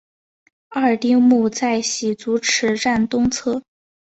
二丁目在洗足池站东侧。